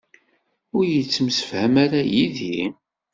Ur yettemsefham ara yid-i?